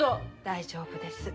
大丈夫です。